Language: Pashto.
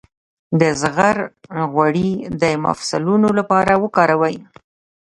د زغر غوړي د مفصلونو لپاره وکاروئ